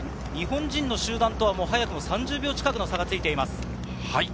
日本人の集団とは早くも３０秒ほどの差がついています。